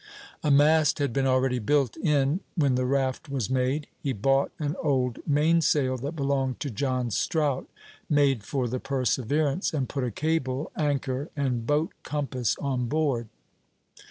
A mast had been already built in when the raft was made; he bought an old mainsail that belonged to John Strout, made for the Perseverance, and put a cable, anchor, and boat compass on board.